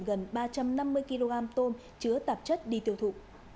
gần ba trăm năm mươi kg tôm chứa tạp chất đi tiêu thụ